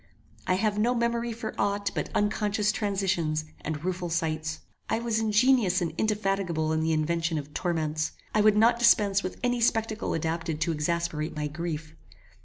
I have no memory for ought but unconscious transitions and rueful sights. I was ingenious and indefatigable in the invention of torments. I would not dispense with any spectacle adapted to exasperate my grief.